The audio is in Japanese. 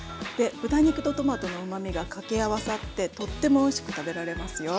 豚肉とトマトのうまみが掛け合わさってとってもおいしく食べられますよ。